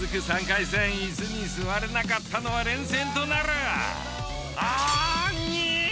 ３回戦イスに座れなかったのは連戦となる鬼。